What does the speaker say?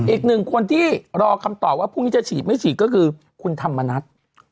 อีกหนึ่งคนที่รอคำตอบว่าพรุ่งนี้จะฉีดไม่ฉีดก็คือคุณธรรมนัฐ